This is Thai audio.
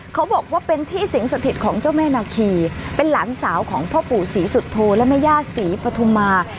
เขาบอกว่าเป็นที่สิงสถิตของเจ้าแม่นาคีเป็นหลานสาวของพ่อปู่ศรีสุโธและแม่ย่าศรีปฐุมา